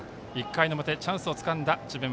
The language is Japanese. １回の表、チャンスをつかんだ智弁